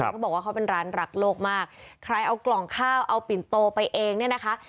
เขาบอกว่าเขาเป็นร้านรักโลกมากใครเอากล่องข้าวเอาปิ่นโตไปเองเนี่ยนะคะ